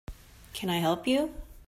Can I help you?